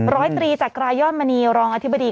ร้อยตรีจากรายยอดมณีรองอธิบดี